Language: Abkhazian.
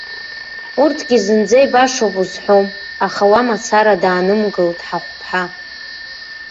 Урҭгьы зынӡа ибашоуп узҳәом, аха уа мацара даанымгылт ҳахәԥҳа.